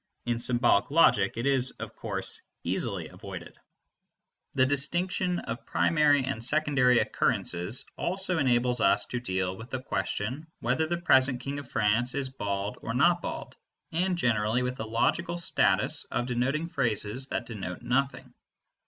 In symbolic logic it is of course easily avoided. The distinction of primary and secondary occurrences also enables us to deal with the question whether the present King of France is bald or not bald, and generally with the logical status of denoting phrases that denote nothing.